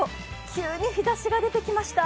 急に日ざしが出てきました。